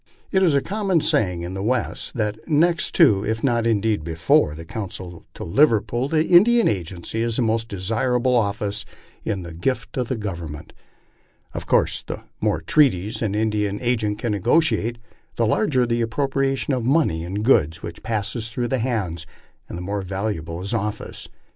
It is a common saying in the West that next to, if not indeed before, the consulship to Liverpool, an Indian agency is the most desirable office in the gift of the Government. Of course the more treaties an Indian agent can negotiate, the larger the ap propriation of money and goods which passes through his hands, and the more valuable his office.